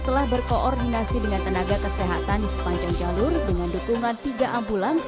telah berkoordinasi dengan tenaga kesehatan di sepanjang jalur dengan dukungan tiga ambulans